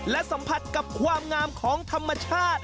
และสัมผัสกับความงามของธรรมชาติ